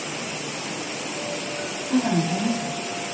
どうかなさいました？